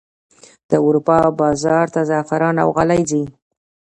د اروپا بازار ته زعفران او غالۍ ځي